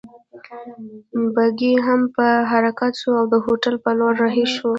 بګۍ هم په حرکت شوه او د هوټل په لور رهي شوو.